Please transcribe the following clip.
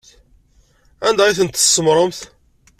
Anda ay tent-tsemmṛemt?